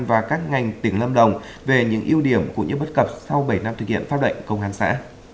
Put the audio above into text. và các ngành tỉnh lâm đồng về những ưu điểm của những bất cập sau bảy năm thực hiện pháp đệnh công an xã